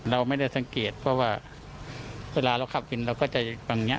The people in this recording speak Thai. เราไม่ได้สังเกตเพราะว่าเวลาเราขับวินเราก็จะฟังอย่างนี้